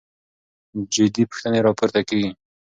جدي پوښتنې راپورته کېږي.